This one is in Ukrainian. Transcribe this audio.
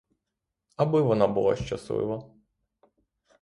Аби вона була щаслива.